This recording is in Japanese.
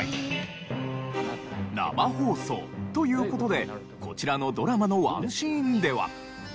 生放送という事でこちらのドラマのワンシーンでは。